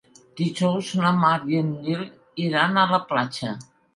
Dijous na Mar i en Nil iran a la platja.